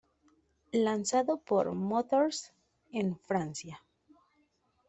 Lanzado por Motors en Francia.